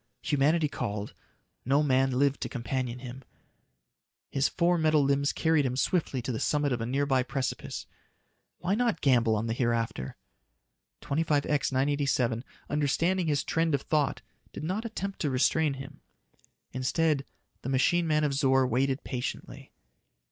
Humanity called; no man lived to companion him. His four metal limbs carried him swiftly to the summit of a nearby precipice. Why not gamble on the hereafter? 25X 987, understanding his trend of thought, did not attempt to restrain him. Instead, the machine man of Zor waited patiently.